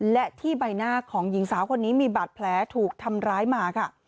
และที่ใบหน้าของหญิงสาวคนนี้มีบาดแผลถูกทำร้ายมาค่ะ